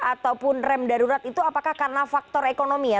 ataupun rem darurat itu apakah karena faktor ekonomi ya